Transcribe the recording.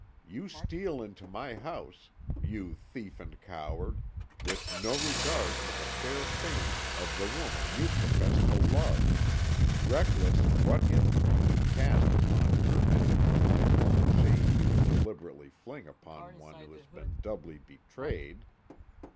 You steal into my house, you thief and coward, with no regard for the fair fame of the woman you profess to love reckless what infamy you cast upon her and of the life long shame you would deliberately fling upon one who has been doubly betrayed.